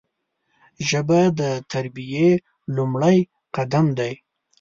ژبه د تربیې لومړی قدم دی